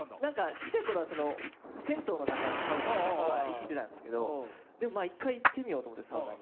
ちっちゃい頃は銭湯の中のサウナとか行ったことあるんですけど、でも１回行ってみようと思って。